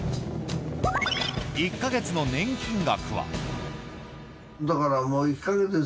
１か月の年金額は。